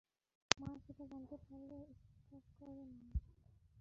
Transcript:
মা সেটা জানতে পারলে স্ট্রোক করে মারা যাবে।